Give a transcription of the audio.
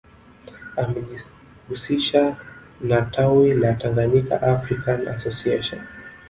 Amejihusisha na tawi la Tanganyika African Association